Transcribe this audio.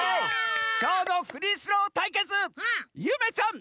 きょうのフリースローたいけつゆめちゃん